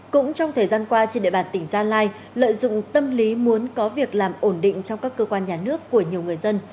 cũng trong thời gian qua trên địa bàn tỉnh gia lai lợi dụng tâm lý muốn có việc làm ổn định trong các cơ quan nhà nước của nhiều người dân